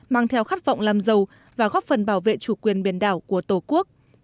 mang theo khát vọng làm giàu và góp phần bảo vệ chủ quyền biển đảo của tổ quốc